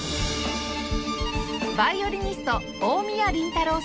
ヴァイオリニスト大宮臨太郎さん